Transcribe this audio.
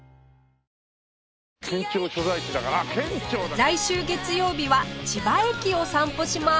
来週月曜日は千葉駅を散歩します